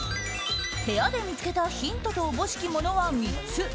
部屋で見つけたヒントと思しきものは３つ。